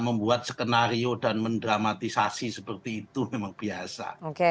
membuat skenario dan mendramatisasi seperti itu memang biasa